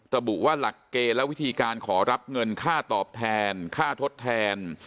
ระบุว่าหลักเกณฑ์และวิธีการขอรับเงินค่าตอบแทนค่าทดแทน